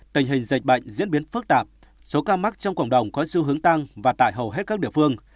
tình hình dịch bệnh diễn biến phức tạp số ca mắc trong cộng đồng có xu hướng tăng và tại hầu hết các địa phương